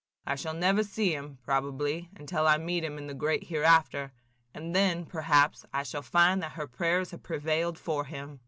I shall never see him, probably, until I meet him in the great Hereafter, and then, perhaps, I shall find that her prayers have prevailed for him."